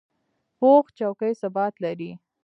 پوخ چوکۍ ثبات لري